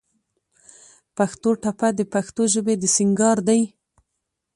پښتو ټپه د پښتو ژبې د سينګار دى.